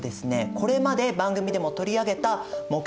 これまで番組でも取り上げた目標